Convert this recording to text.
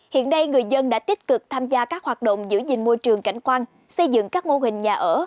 hiện đây người dân đã tích cực tham gia các hoạt động giữ gìn môi trường cảnh quan xây dựng các mô hình nhà ở